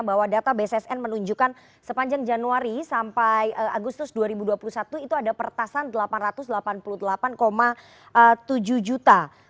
bahwa data bssn menunjukkan sepanjang januari sampai agustus dua ribu dua puluh satu itu ada pertasan delapan ratus delapan puluh delapan tujuh juta